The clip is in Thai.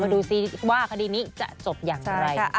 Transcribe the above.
ดูสิว่าคดีนี้จะจบอย่างไร